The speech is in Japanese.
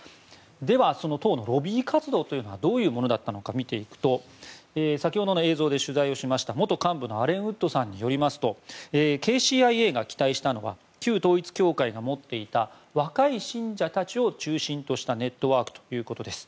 では、その党のロビー活動というのはどういうものだったのか見ていくと先ほどの映像で取材した元幹部のアレン・ウッドさんによりますとＫＣＩＡが期待したのは旧統一教会が持っていた若い信者たちを中心としたネットワークということです。